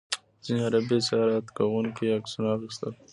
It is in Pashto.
ځینو غربي زیارت کوونکو یې عکسونه اخیستل.